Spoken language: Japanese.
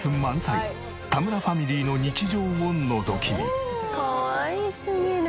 満載田村ファミリーの日常をのぞき見。